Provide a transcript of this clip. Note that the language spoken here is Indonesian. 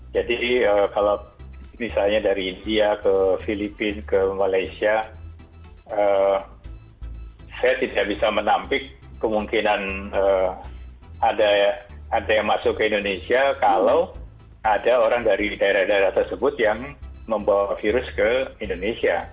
jadi kalau misalnya dari india ke filipina ke malaysia saya tidak bisa menampik kemungkinan ada yang masuk ke indonesia kalau ada orang dari daerah daerah tersebut yang membawa virus ke indonesia